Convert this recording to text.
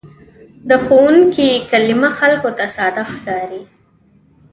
د ښوونکي کلمه خلکو ته ساده ښکاري.